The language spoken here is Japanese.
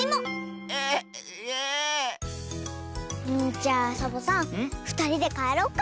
じゃあサボさんふたりでかえろっか。